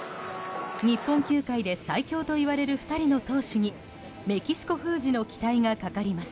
日本球界で最強と言われる２人の投手にメキシコ封じの期待がかかります。